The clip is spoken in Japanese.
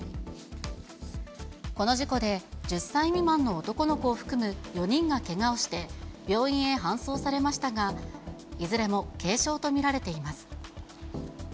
この事故で１０歳未満の男の子を含む４人がけがをして病院へ搬送されましたが、いずれも軽傷と見られています。